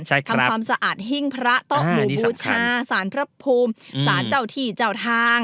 จ้าสรรพพุมสรรจะวที่จะวทาง